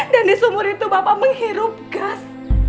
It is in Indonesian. dan di sumur itu bapak menghirup gas